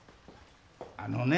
あのね